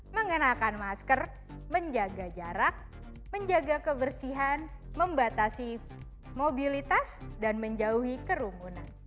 mengenakan masker menjaga jarak menjaga kebersihan membatasi mobilitas dan menjauhi kerumunan